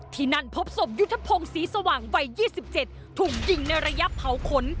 ที่นั่นพบศพยุทธพงศรีสว่างวัย๒๗ถูกยิงในระยะเผาขน